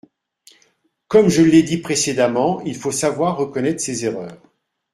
Comme je l’ai dit précédemment, il faut savoir reconnaître ses erreurs.